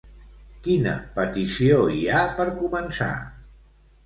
Quina petició hi ha per començar?